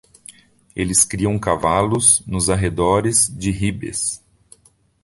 Eles criam cavalos nos arredores de Ribes.